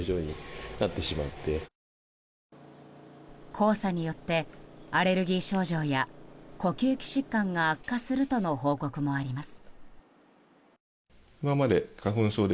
黄砂によってアレルギー症状や呼吸器疾患が悪化するとの報告もあります。